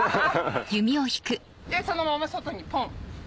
そのまま外にポン。